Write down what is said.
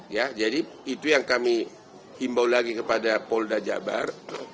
ya jadi itu yang kami himbau lagi kepada polda jabar